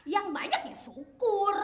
yang banyak ya syukur